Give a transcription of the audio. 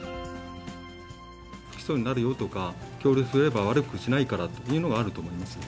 不起訴になるよとか、協力すれば悪くしないからというのがあると思います。